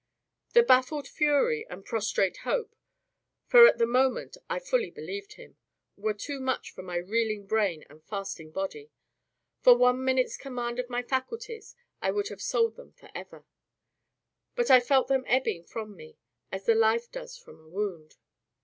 The baffled fury and prostrate hope for at the moment I fully believed him were too much for my reeling brain and fasting body. For one minute's command of my faculties, I would have sold them for ever; but I felt them ebbing from me, as the life does from a wound.